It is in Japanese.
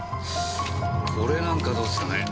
これなんかどうですかね？